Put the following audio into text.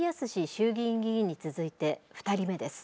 衆議院議員に続いて２人目です。